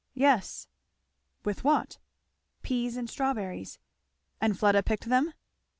"Yes." "With what?" "Peas and strawberries." "And Fleda picked them?"